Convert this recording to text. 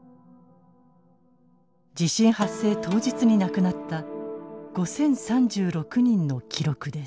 地震発生当日に亡くなった５，０３６人の記録です。